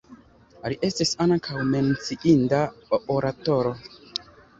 Li estis ankaŭ menciinda oratoro.